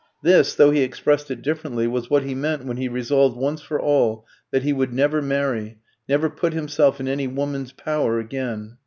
This, though he expressed it differently, was what he meant when he resolved once for all that he would never marry, never put himself in any woman's power again.